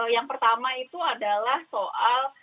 yang pertama itu adalah soal